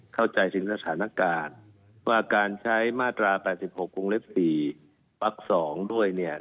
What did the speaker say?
เข้าใจสินค้าสถานการณ์ว่าการใช้มาตรา๘๖วงเล็ก๔ปัก๒ด้วย